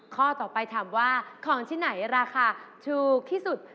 ข้อต่อไปถามว่าของที่ไหนราคาถูกที่สุด